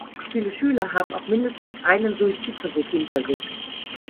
Viele Schüler haben auch mindestens einen Suizidversuch hinter sich.